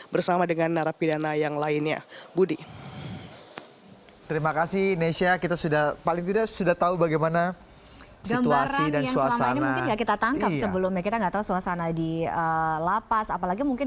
bersama dengan narapidik